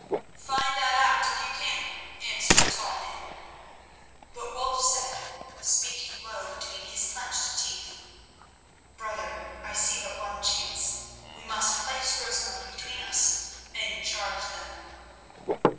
"Find that out if you can," answered the tall man. But Wulf said, speaking low between his clenched teeth: "Brother, I see but one chance. We must place Rosamund between us and charge them."